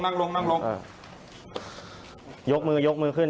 นั่งลง